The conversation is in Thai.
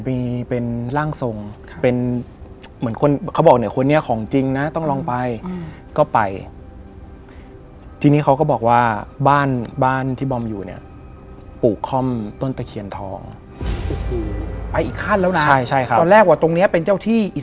แต่เป็นการเลี้ยงผีนะ